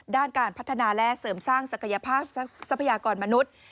ด้านการพัฒนาและเสริมสร้างศักยภาพทรัพยากรมนุษย์